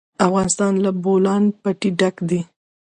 افغانستان له د بولان پټي ډک دی.